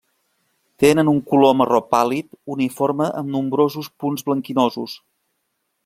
Tenen un color marró pàl·lid uniforme amb nombrosos punts blanquinosos.